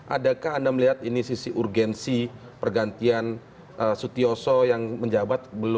adakah anda melihat ini sisi urgensi pergantian sutioso yang menjabat